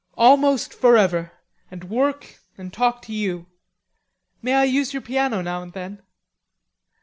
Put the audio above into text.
"Almost forever, and work, and talk to you; may I use your piano now and then?"